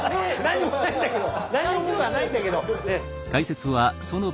何にも僕はないんだけど。